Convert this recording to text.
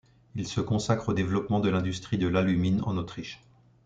Il se consacre au développement de l'industrie de l'alumine en Autriche.